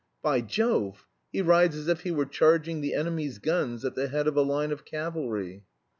"By Jove! he rides as if he were charging the enemy's guns at the head of a line of cavalry."